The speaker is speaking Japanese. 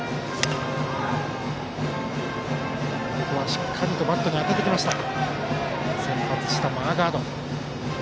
しっかりとバットに当ててきました。